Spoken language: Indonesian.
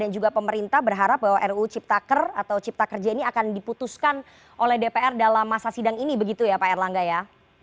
dan juga pemerintah berharap bahwa ruu ciptaker atau ciptaker j ini akan diputuskan oleh dpr dalam masa sidang ini begitu ya pak erlangga ya